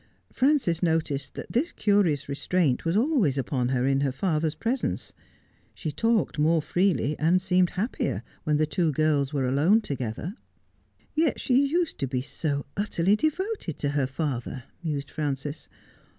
Frances noticed that this curious restraint was always upon her in her father's presence. She 222 Just as I Am. t;ilkeu more freely, and seemed happier, when the two girls were alone together. ' Yet she used to be so utterly devoted to her father,' mused Frances.